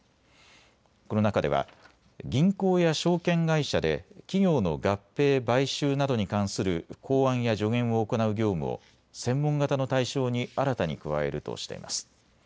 この中では銀行や証券会社で企業の合併・買収などに関する考案や助言を行う業務を専門型の対象に新たに加えるとしています。